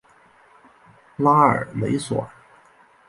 拉尔雷索尔。